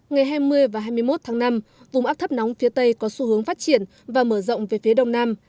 ngày hai mươi và hai mươi một tháng năm vùng áp thấp nóng phía tây có xu hướng phát triển và mở rộng về phía đông nam